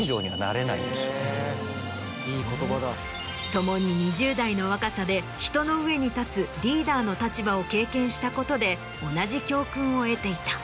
共に２０代の若さで人の上に立つリーダーの立場を経験したことで同じ教訓を得ていた。